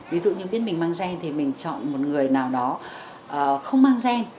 ví dụ như biết mình mang gen thì mình chọn một người nào đó không mang gen